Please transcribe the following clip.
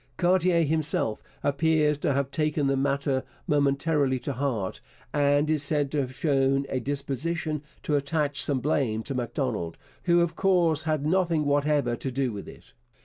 Cartier himself appears to have taken the matter momentarily to heart, and is said to have shown a disposition to attach some blame to Macdonald, who, of course, had nothing whatever to do with it.